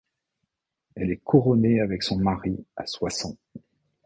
Elle est couronnée avec son mari à Soissons.